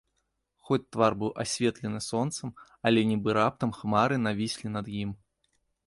Хоць твар быў асветлены сонцам, але нібы раптам хмары навіслі над ім.